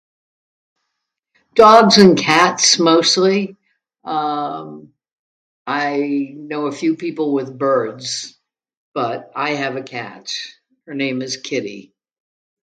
Dogs and cats mostly, uhm... I know a few people with birds, but I have a cat, her name is Kitty.